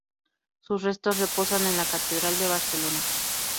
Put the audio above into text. Sus restos reposan en la catedral de Barcelona.